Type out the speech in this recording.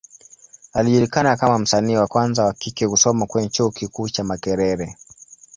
Alijulikana kama msanii wa kwanza wa kike kusoma kwenye Chuo kikuu cha Makerere.